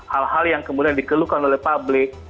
hal hal yang kemudian dikeluhkan oleh publik